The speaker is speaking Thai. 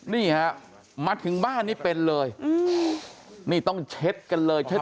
นี่ฮะมาถึงบ้านนี่เป็นเลยนี่ต้องเช็ดกันเลยเช็ด